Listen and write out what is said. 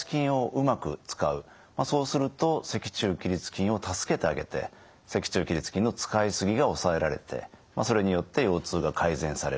まあそうすると脊柱起立筋を助けてあげて脊柱起立筋の使い過ぎが抑えられてそれによって腰痛が改善される。